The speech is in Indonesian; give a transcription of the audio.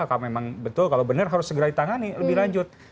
kalau memang betul kalau benar harus segera ditangani lebih lanjut